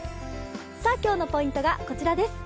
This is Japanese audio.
今日のポイントがこちらです。